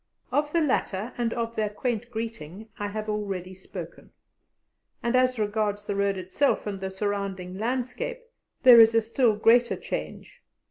Of the latter and of their quaint greeting I have already spoken. And as regards the road itself and the surrounding landscape there is a still greater change.